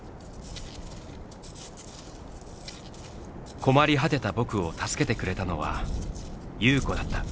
困り果てた「僕」を助けてくれたのは優子だった。